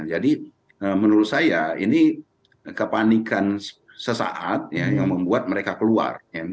jadi menurut saya ini kepanikan sesaat yang membuat mereka keluar